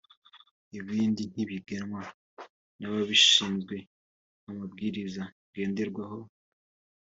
Ibindi ni ibigenwa n’ababishinzwe (nk’amabwiriza ngenderwaho)